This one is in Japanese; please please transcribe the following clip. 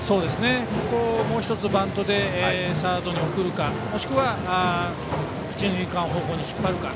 ここ、もう１つバントでサードに送るかもしくは、一、二塁間方向に引っ張るか。